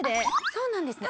そうなんですね。